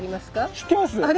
知ってます！